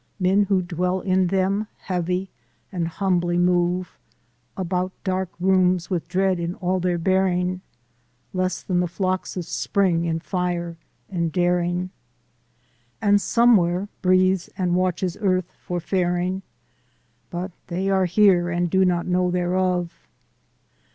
Men who dwell in them heavy and humbly move About dark rooms with dread in all their bearing, Lass than the flocks of spring in fire and daring, And somewhere breathes and watches earth for faring, But they are here and do not know thereof.